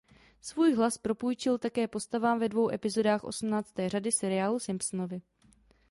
Svůj hlas propůjčil také postavám ve dvou epizodách osmnácté řady seriálu "Simpsonovi".